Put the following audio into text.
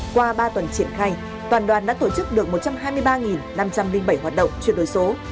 qua ba tuần triển khai toàn đoàn đã tổ chức được một trăm hai mươi ba năm trăm linh bảy hoạt động chuyển đổi số